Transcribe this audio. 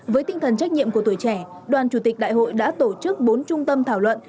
với tinh thần trách nhiệm của tuổi trẻ đoàn chủ tịch đại hội đã tổ chức bốn trung tâm thảo luận